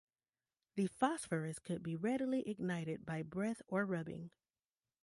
The phosphorus could be readily ignited by breath or rubbing.